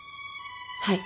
はい。